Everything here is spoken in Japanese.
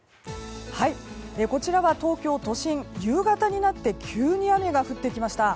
こちらは東京都心夕方になって急に雨が降ってきました。